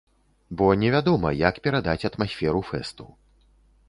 Бо невядома, як перадаць атмасферу фэсту.